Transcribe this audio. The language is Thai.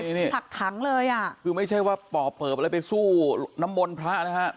ยายแบบนี้ยายไม่ไหวถักถังเลยอ่ะคือไม่ใช่ว่าปอบเปิบอะไรไปสู้น้ำมนพระนะฮะ